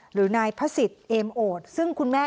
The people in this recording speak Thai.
หรือนายพระศิษย์เอมโอดซึ่งคุณแม่